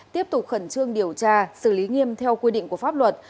tiếp tục khẩn trương điều tra xử lý nghiêm theo quy định của pháp luật